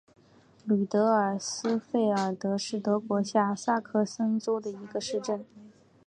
吕德尔斯费尔德是德国下萨克森州的一个市镇。